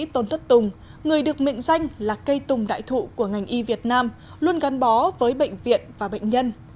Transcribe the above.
tôn thất tùng người được mệnh danh là cây tùng đại thụ của ngành y việt nam luôn gắn bó với bệnh viện và bệnh nhân